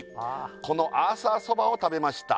「このアーサそばを食べました」